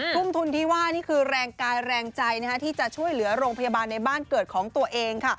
ทุ่มทุนที่ว่านี่คือแรงกายแรงใจที่จะช่วยเหลือโรงพยาบาลในบ้านเกิดของตัวเองค่ะ